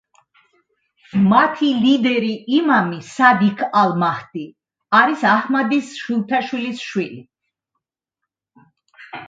მათი ლიდერი იმამი სადიქ ალ-მაჰდი არის აჰმადის შვილთაშვილის შვილი.